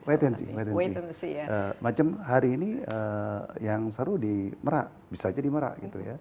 wait and see macam hari ini yang seru di merak bisa saja di merak